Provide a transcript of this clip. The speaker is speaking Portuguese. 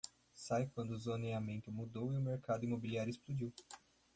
Saí quando o zoneamento mudou e o mercado imobiliário explodiu.